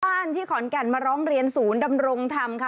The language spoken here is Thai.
ที่ขอนแก่นมาร้องเรียนศูนย์ดำรงธรรมค่ะ